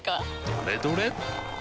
どれどれっ！